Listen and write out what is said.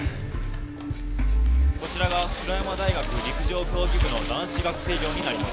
こちらが白山大学陸上競技部の男子学生寮になります